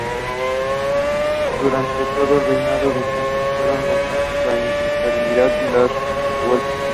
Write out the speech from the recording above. Durante todo el reinado de Sancho fueron constantes la inestabilidad y las revueltas.